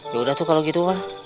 yaudah tuh kalau gitu pak